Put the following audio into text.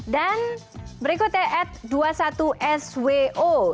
dan berikutnya ad dua puluh satu swo